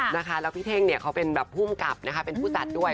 นะคะแล้วพี่เท่งเนี่ยเขาเป็นแบบภูมิกับนะคะเป็นผู้จัดด้วย